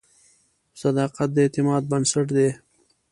صداقت د اعتماد بنسټ دی.